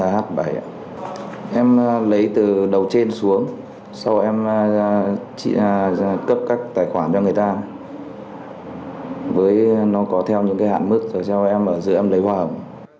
h bảy em lấy từ đầu trên xuống sau em cấp các tài khoản cho người ta với nó có theo những hạn mức rồi sau em ở giữa em lấy hòa hồng